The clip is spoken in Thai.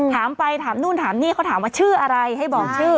ถามไปถามนู่นถามนี่เขาถามว่าชื่ออะไรให้บอกชื่อ